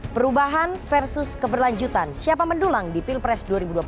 perubahan versus keberlanjutan siapa mendulang di pilpres dua ribu dua puluh